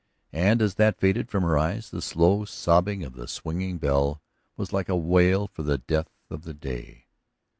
And as that faded from her eyes the slow sobbing of the swinging bell was like a wail for the death of the day.